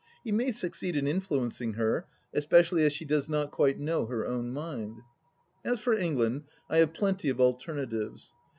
He may succeed in influencing her, especially as she does not quite know her own mind. ... As for England, I have plenty of alternatives.